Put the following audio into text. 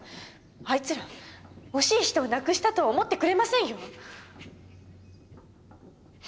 あいつら惜しい人を亡くしたとは思ってくれませんよ！